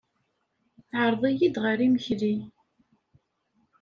Teɛreḍ-iyi-d ɣer yimekli.